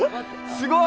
すごい。